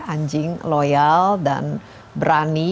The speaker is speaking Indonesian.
anjing loyal dan berani